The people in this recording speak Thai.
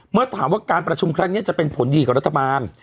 เมื่อถามว่าการประชุมครั้งนี้จะเป็นผลดีกับรัฐบาล